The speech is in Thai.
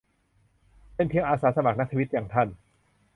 เป็นเพียงอาสาสมัครนักทวีต อย่างท่าน